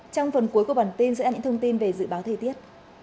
trong phần cuối của bản tin sẽ là những thông tin về dự báo thời tiết